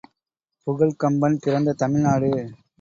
புகழ்க் கம்பன் பிறந்த தமிழ்நாடு